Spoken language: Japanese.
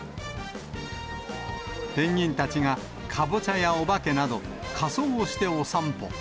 ペンギンたちがカボチャやお化けなど、仮装をしてお散歩。